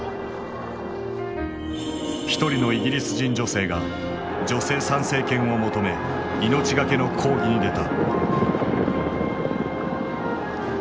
一人のイギリス人女性が女性参政権を求め命がけの抗議に出た。